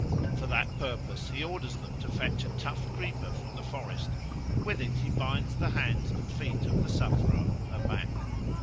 For that purpose he orders them to fetch a tough creeper from the forest, and with it he binds the hands and feet of the sufferer on her back.